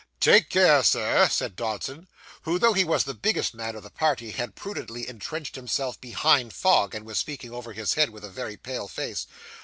'Take care, Sir,' said Dodson, who, though he was the biggest man of the party, had prudently entrenched himself behind Fogg, and was speaking over his head with a very pale face.